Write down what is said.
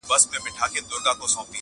هر اندام یې وو له وېري لړزېدلی،